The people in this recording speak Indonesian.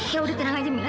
ya udah tenang aja mila